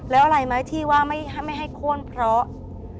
แล้วอะไรไหมที่ว่าไม่ให้โค้นเพราะ